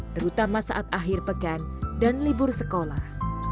terutama saat akhir pekan dan libur sekolah